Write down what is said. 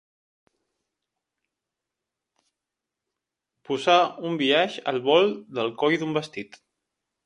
Posar un biaix al volt del coll d'un vestit.